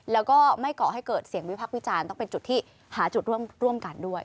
แล้วก็ไม่ก่อให้เกิดเสียงวิพักษ์วิจารณ์ต้องเป็นจุดที่หาจุดร่วมกันด้วย